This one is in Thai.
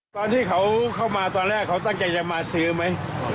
ตอนที่เขาเข้ามาตอนแรกเขาตั้งใจจะมาซื้อไหม